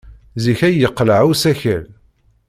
Zik ay yeqleɛ usakal.